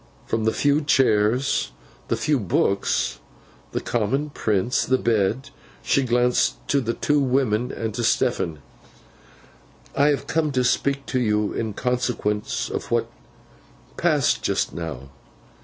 From the few chairs, the few books, the common prints, and the bed, she glanced to the two women, and to Stephen. 'I have come to speak to you, in consequence of what passed just now.